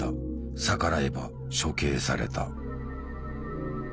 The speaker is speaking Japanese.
逆らえば処刑された。